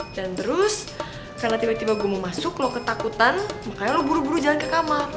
dan terus karena tiba tiba gue mau masuk lo ketakutan makanya lo buru buru jalan ke kamar